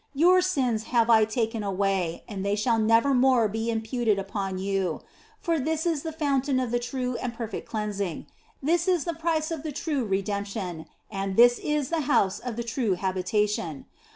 Your sins have I taken away and they shall never more be imputed unto you. For this is the fountain of the true and perfect cleansing, this is the price of the true redemp tion and this is the house of the true habitation.